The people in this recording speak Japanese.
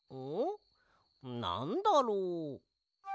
なんだろう？